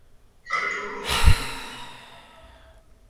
A twoŋǝ aŋwà'ànǝ̀.